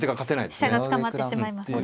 飛車が捕まってしまいますね。